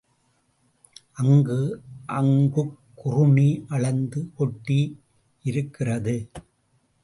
அங்கு அங்குக் குறுணி அளந்து கொட்டியிருக்கிறது.